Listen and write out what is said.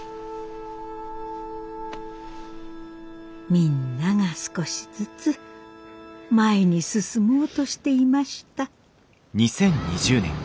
みんなが少しずつ前に進もうとしていました。